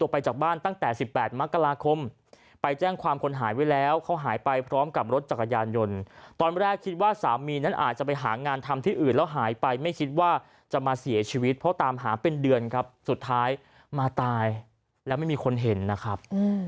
ไปจากบ้านตั้งแต่๑๘มกราคมไปแจ้งความคนหายไว้แล้วเขาหายไปพร้อมกับรถจักรยานยนต์ตอนแรกคิดว่าสามีนั้นอาจจะไปหางานทำที่อื่นแล้วหายไปไม่คิดว่าจะมาเสียชีวิตเพราะตามหาเป็นเดือนครับสุดท้ายมาตายแล้วไม่มีคนเห็นนะครับ